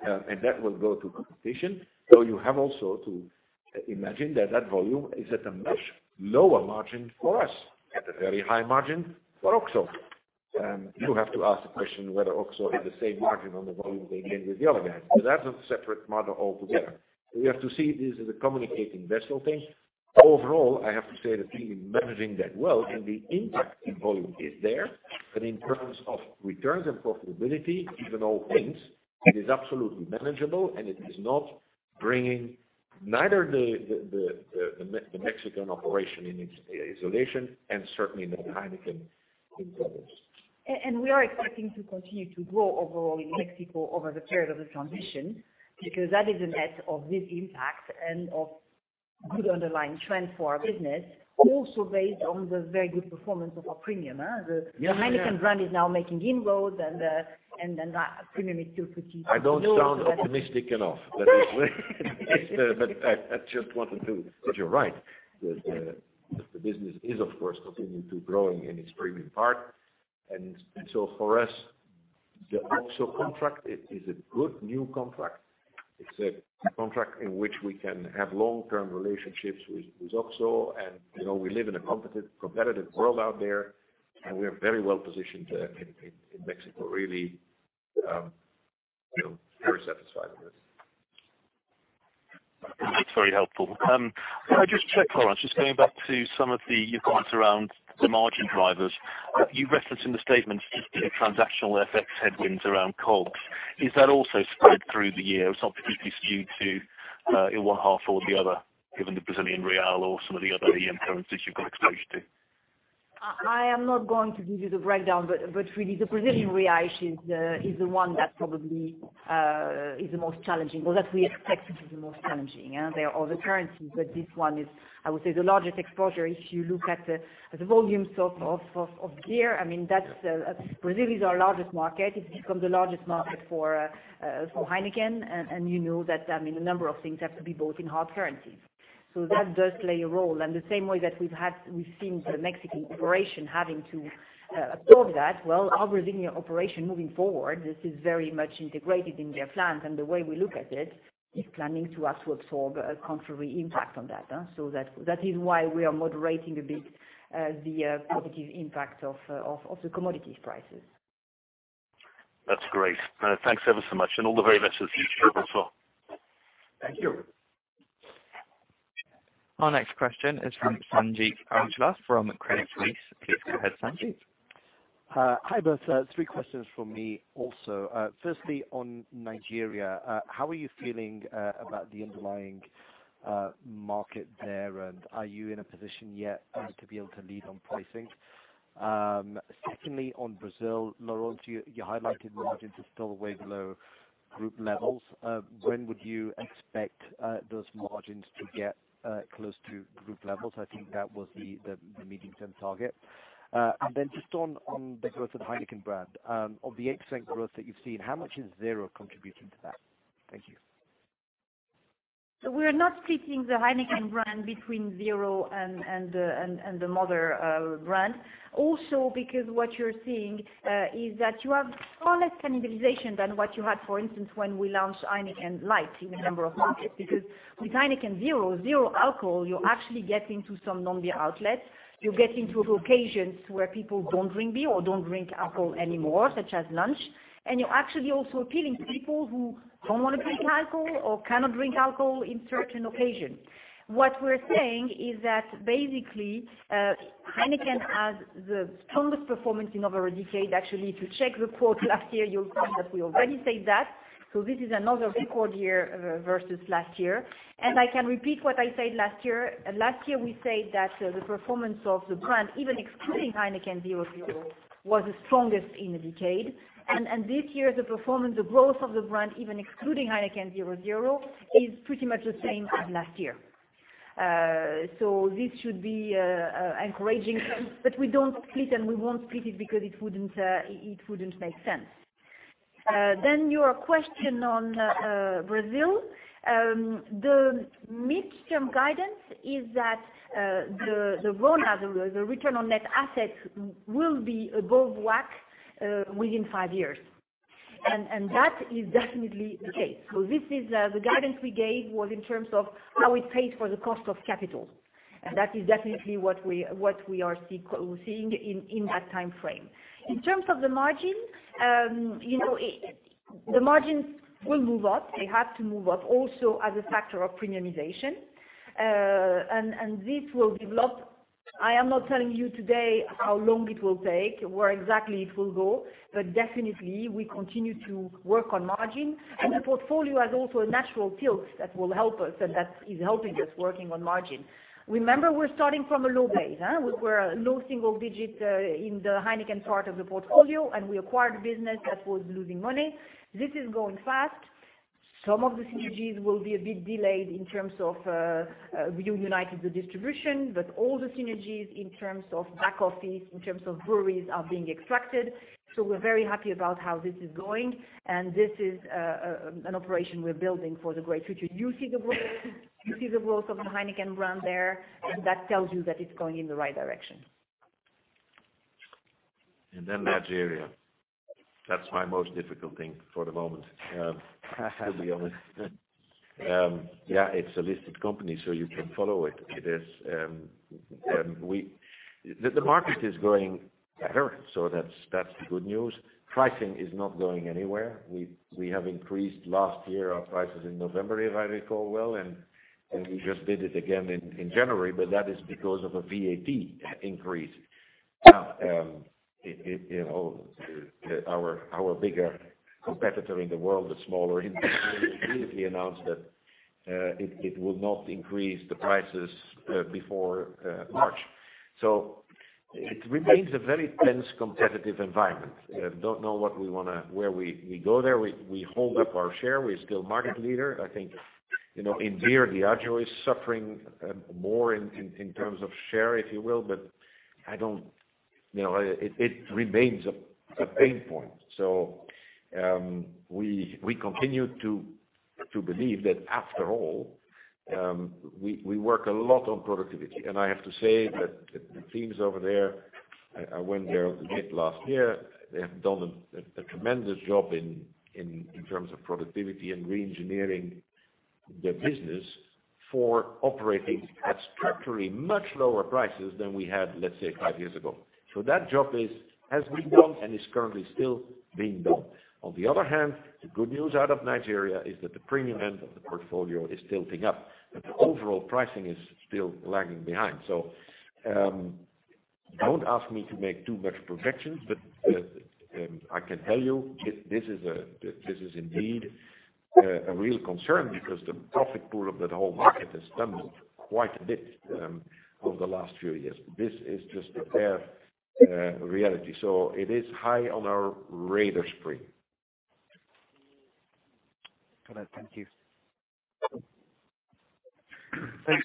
and that will go to competition. You have also to imagine that that volume is at a much lower margin for us. At a very high margin for OXXO. You have to ask the question whether OXXO has the same margin on the volume they gain with the other guys. That's a separate model altogether. We have to see this as a communicating vessel thing. Overall, I have to say the team is managing that well, and the impact in volume is there. In terms of returns and profitability, given all things, it is absolutely manageable, and it is not bringing neither the Mexican operation in its isolation and certainly not Heineken in troubles. We are expecting to continue to grow overall in Mexico over the period of the transition, because that is a net of this impact and of good underlying trend for our business, also based on the very good performance of our premium. Yes. The Heineken brand is now making inroads and then that premium is still pretty low. I don't sound optimistic enough. You're right. The business is, of course, continuing to growing in its premium part. For us, the OXXO contract is a good new contract. It's a contract in which we can have long-term relationships with OXXO, and we live in a competitive world out there, and we are very well positioned in Mexico, really. Very satisfied with this. That's very helpful. Can I just check, Laurence, just going back to some of the comments around the margin drivers? You referenced in the statement transactional FX headwinds around COGS. Is that also spread through the year? It's not particularly skewed to in one half or the other, given the Brazilian real or some of the other EM currencies you've got exposure to. I am not going to give you the breakdown, but really the Brazilian real is the one that probably is the most challenging, or that we expect is the most challenging. There are other currencies, but this one is, I would say, the largest exposure. If you look at the volumes of beer, Brazil is our largest market. It's become the largest market for Heineken, and you know that a number of things have to be bought in hard currencies. That does play a role. The same way that we've seen the Mexican operation having to absorb that, well, our Brazilian operation moving forward, this is very much integrated in their plans. The way we look at it, is planning to absorb a contrary impact on that. That is why we are moderating a bit the positive impact of the commodities prices. That's great. Thanks ever so much. All the very best this year as well. Thank you. Our next question is from Sanjeet Aujla from Credit Suisse. Please go ahead, Sanjeet. Hi, both. Three questions from me also. Firstly, on Nigeria, how are you feeling about the underlying market there. Are you in a position yet to be able to lead on pricing? Secondly, on Brazil, Laurence, you highlighted margins are still way below group levels. When would you expect those margins to get close to group levels? I think that was the medium-term target. Just on the growth of the Heineken brand. Of the 8% growth that you've seen, how much is zero contributing to that? Thank you. We're not splitting the Heineken brand between zero and the mother brand. Also because what you're seeing, is that you have far less cannibalization than what you had, for instance, when we launched Heineken Light in a number of markets. Because with Heineken 0.0, zero alcohol, you actually get into some non-beer outlets. You get into occasions where people don't drink beer or don't drink alcohol anymore, such as lunch. You're actually also appealing to people who don't want to drink alcohol or cannot drink alcohol in certain occasions. What we're saying is that basically, Heineken has the strongest performance in over a decade. Actually, if you check the quotes last year, you'll see that we already said that. This is another record year versus last year. I can repeat what I said last year. Last year, we said that the performance of the brand, even excluding Heineken 0.0, was the strongest in a decade. This year, the performance, the growth of the brand, even excluding Heineken 0.0, is pretty much the same as last year. This should be encouraging, but we don't split and we won't split it because it wouldn't make sense. Your question on Brazil. The midterm guidance is that the RONA, the return on net assets, will be above WACC within five years. That is definitely the case. The guidance we gave was in terms of how it paid for the cost of capital. That is definitely what we are seeing in that timeframe. In terms of the margin, the margins will move up. They have to move up also as a factor of premiumization. This will develop. I am not telling you today how long it will take, where exactly it will go, but definitely we continue to work on margin. The portfolio has also a natural tilt that will help us, and that is helping us working on margin. Remember, we're starting from a low base. We're a low single digit in the Heineken part of the portfolio, and we acquired business that was losing money. This is going fast. Some of the synergies will be a bit delayed in terms of reuniting the distribution, but all the synergies in terms of back office, in terms of breweries are being extracted. We're very happy about how this is going. This is an operation we're building for the great future. You see the growth of the Heineken brand there, and that tells you that it's going in the right direction. Nigeria. That's my most difficult thing for the moment, to be honest. Yeah, it's a listed company, so you can follow it. The market is growing better, so that's the good news. Pricing is not going anywhere. We have increased last year our prices in November, if I recall well, and we just did it again in January, but that is because of a VAT increase. Our bigger competitor in the world, the smaller recently announced that it will not increase the prices before March. It remains a very tense, competitive environment. Don't know where we go there. We hold up our share. We're still market leader. I think, in beer, Diageo is suffering more in terms of share, if you will, but it remains a pain point. We continue to believe that after all, we work a lot on productivity. I have to say that the teams over there, I went there mid last year, they have done a tremendous job in terms of productivity and re-engineering their business for operating at structurally much lower prices than we had, let's say, five years ago. That job has been done and is currently still being done. The good news out of Nigeria is that the premium end of the portfolio is tilting up, but the overall pricing is still lagging behind. Don't ask me to make too much projections, but I can tell you this is indeed a real concern because the profit pool of that whole market has tumbled quite a bit over the last few years. This is just a bare reality. It is high on our radar screen. Got it. Thank you.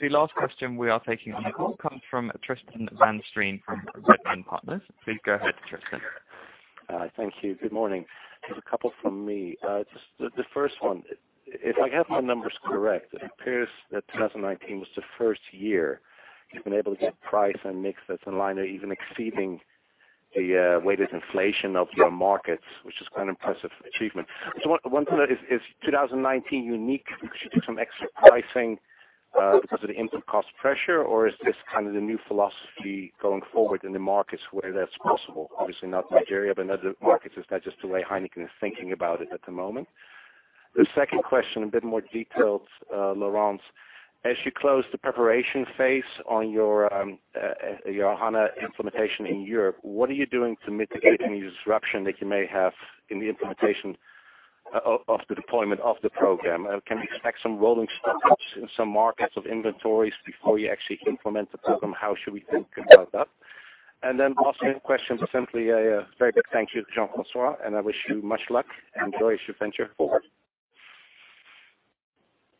The last question we are taking on the call comes from Tristan van Strien from Redburn Partners. Please go ahead, Tristan. Thank you. Good morning. Just a couple from me. The first one, if I have my numbers correct, it appears that 2019 was the first year you've been able to get price and mix that's in line or even exceeding the weighted inflation of your markets, which is quite an impressive achievement. Wonder, is 2019 unique? Did you do some extra pricing because of the input cost pressure, or is this kind of the new philosophy going forward in the markets where that's possible? Obviously not Nigeria, but in other markets, is that just the way Heineken is thinking about it at the moment? The second question, a bit more detailed, Laurence, as you close the preparation phase on your HANA implementation in Europe, what are you doing to mitigate any disruption that you may have in the implementation of the deployment of the program? Can we expect some rolling stock-ups in some markets of inventories before you actually implement the program? How should we think about that? Last question is simply a very big thank you to Jean-François, and I wish you much luck and enjoy your venture forward.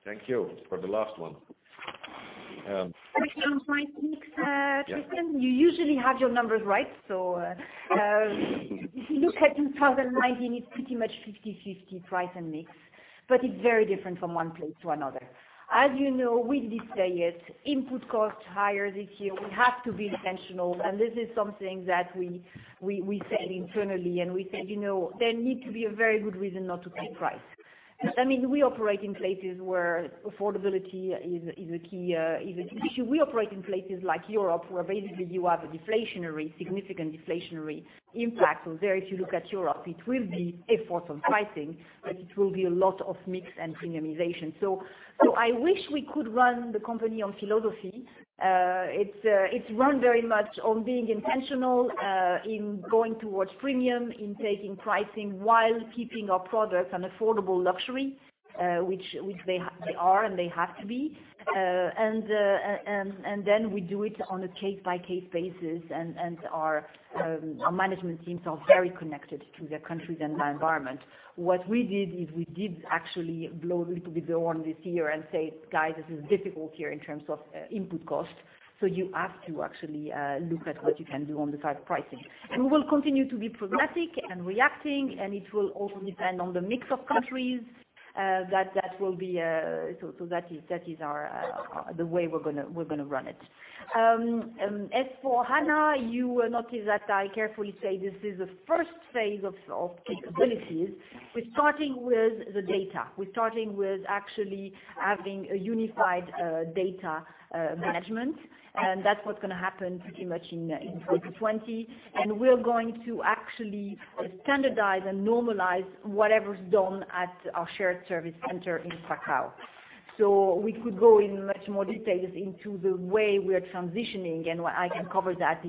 Thank you for the last one. Actually, on price mix, Tristan, you usually have your numbers right. If you look at 2019, it's pretty much 5050 price and mix, but it's very different from one place to another. As you know, we did say it, input cost higher this year. We have to be intentional, and this is something that we said internally and we said there need to be a very good reason not to take price. We operate in places where affordability is a key issue. We operate in places like Europe, where basically you have a significant deflationary impact. There, if you look at Europe, it will be effort on pricing, but it will be a lot of mix and premiumization. I wish we could run the company on philosophy. It's run very much on being intentional, in going towards premium, in taking pricing while keeping our product an affordable luxury, which they are, and they have to be. we do it on a case-by-case basis, and our management teams are very connected to their countries and the environment. What we did is we did actually blow a little bit their horn this year and say, "Guys, this is difficult here in terms of input cost." you have to actually look at what you can do on the side of pricing. We will continue to be pragmatic and reacting, and it will also depend on the mix of countries. that is the way we're gonna run it. As for HANA, you will notice that I carefully say this is the first phase of capabilities. We're starting with the data. We're starting with actually having a unified data management. That's what's going to happen pretty much in 2020. We're going to actually standardize and normalize whatever's done at our shared service center in Kraków. We could go in much more details into the way we are transitioning, and I can cover that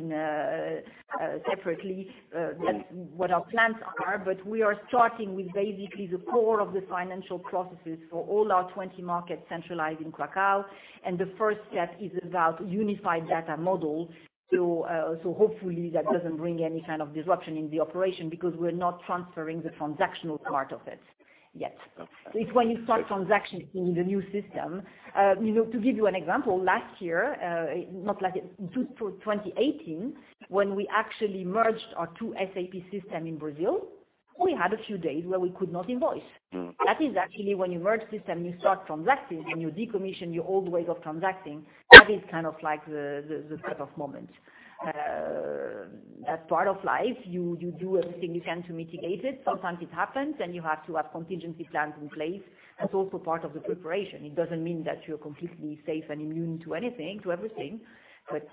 separately. That's what our plans are. We are starting with basically the core of the financial processes for all our 20 markets centralized in Kraków. The first step is about unified data model. Hopefully, that doesn't bring any kind of disruption in the operation because we're not transferring the transactional part of it yet. It's when you start transactions in the new system. To give you an example, last year, 2018, when we actually merged our two SAP systems in Brazil, we had a few days where we could not invoice. That is actually when you merge system, you start transacting, when you decommission your old way of transacting, that is kind of like the cut-off moment. As part of life, you do everything you can to mitigate it. Sometimes it happens, and you have to have contingency plans in place. That's also part of the preparation. It doesn't mean that you're completely safe and immune to everything. That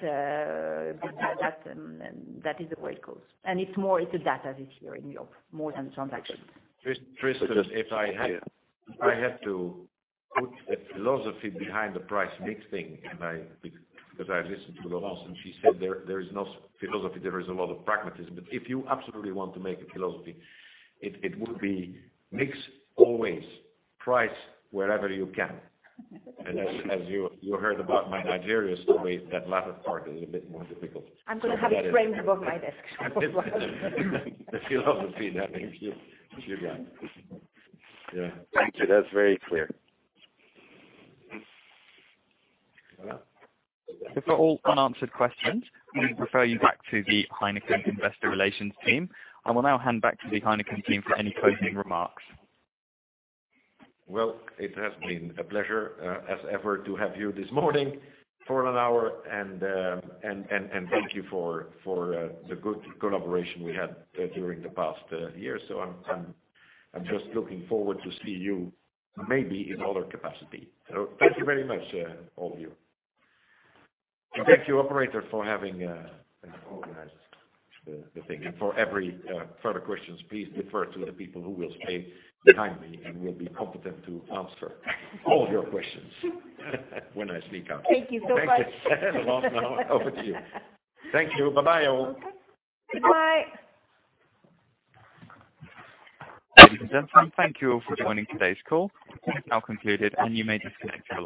is the way it goes. It's more, it's the data this year in Europe more than transactions. Tristan, if I had to put a philosophy behind the price mix thing, because I listened to Laurence, she said there is no philosophy, there is a lot of pragmatism. If you absolutely want to make a philosophy, it would be mix always, price wherever you can. As you heard about my Nigeria story, that latter part is a bit more difficult. I'm going to have it framed above my desk. The philosophy, thank you. Cheers. Thank you. That's very clear. We've got all unanswered questions. We refer you back to the Heineken Investor Relations team. I will now hand back to the Heineken team for any closing remarks. Well, it has been a pleasure as ever to have you this morning for an hour. Thank you for the good collaboration we had during the past year. I'm just looking forward to see you maybe in other capacity. Thank you very much, all of you. Thank you, Operator, for having organized the thing. For every further questions, please refer to the people who will stay behind me and will be competent to answer all your questions when I sneak out. Thank you so much. Thank you. Well, now over to you. Thank you. Bye-bye, all. Bye. Ladies and gentlemen, thank you all for joining today's call. It has now concluded, and you may disconnect your lines.